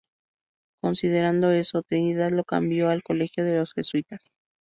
Considerando eso, Trinidad lo cambió al colegio de los Jesuitas.